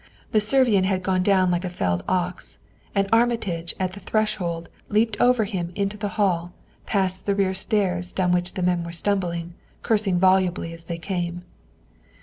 The Servian had gone down like a felled ox and Armitage at the threshold leaped over him into the hall past the rear stairs down which the men were stumbling, cursing volubly as they came.